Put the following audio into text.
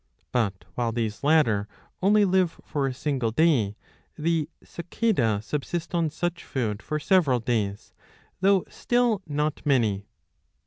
"^ But while these latter only live for a single day, the Cicadae subsist on such food for several days, though still not many.